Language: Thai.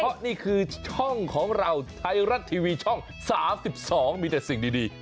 เพราะนี่คือช่องของเราไทยรัฐทีวีช่อง๓๒มีแต่สิ่งดี